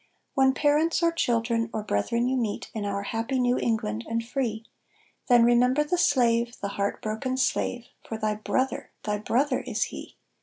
When parents or children or brethren you meet, In our happy New England and free, Then remember the slave, the heart broken slave, For thy brother, thy brother is he.